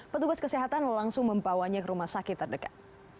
petugas kesehatan langsung membawanya ke rumah sakit terdekat